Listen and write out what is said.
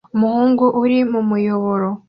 Umuhungu uri mu muyoboro